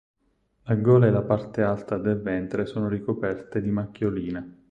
La gola e la parte alta del ventre sono ricoperte di macchioline.